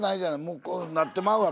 もうこうなってまうわけ。